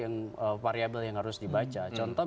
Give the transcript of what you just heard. yang variable yang harus dibaca contoh